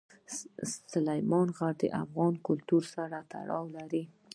سلیمان غر د افغان کلتور سره تړاو لري.